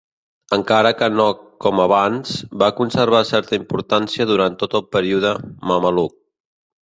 Encara que no com abans, va conservar certa importància durant tot el període mameluc.